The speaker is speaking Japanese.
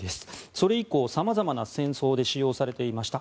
それ以降、様々な戦争で使用されていました。